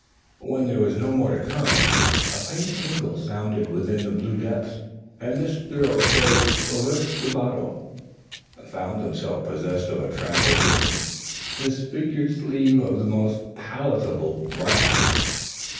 When there was no more to come, a faint tinkle sounded within the blue depths, and Mr. O'Shea, reversing the bottle, found himself possessed of a trampled and disfigured sleeve link of most palpable brass.